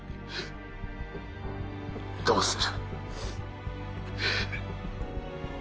どうする？